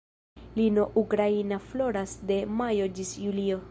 Lino ukraina floras de majo ĝis julio.